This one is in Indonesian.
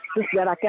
terus jaraknya satu